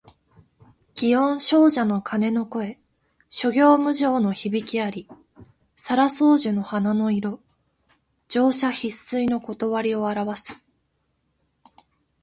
祇園精舎の鐘の声、諸行無常の響きあり。沙羅双樹の花の色、盛者必衰の理をあらわす。